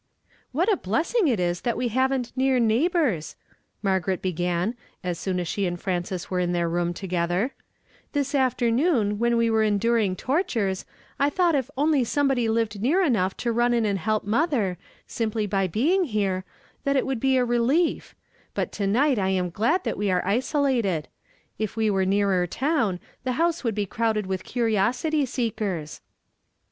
"AVhat a blessing it is that we haven't near neighbors!" Margaret began, as soon as she and Frances w ere in their room together. '^'I'his aftci jioon, when we were endurhig tortures, I thought if *'HE PUT A NEW SONG IN MY MOUTH." 65 only somebody lived near enough to run in and help motlier, simply by benig here, tluit it woul'l ue a relief ; but to night I am ghid tliat we are isolated. If we were nearer town, the house Avould be crowded with curiosity seekers."